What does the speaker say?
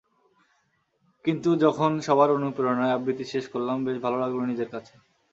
কিন্তু যখন সবার অনুপ্রেরণায় আবৃত্তি শেষ করলাম, বেশ ভালো লাগল নিজের কাছে।